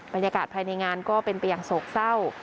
บรรยากาศภายในงานก็เป็นไปอย่างโศกเศร้า